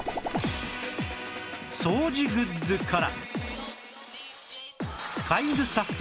掃除グッズから